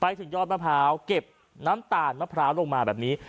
ถึงยอดมะพร้าวเก็บน้ำตาลมะพร้าวลงมาแบบนี้